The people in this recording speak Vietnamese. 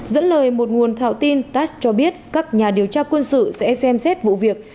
dẫn lời một nguồn thạo tin tass cho biết các nhà điều tra quân sự sẽ xem xét vụ việc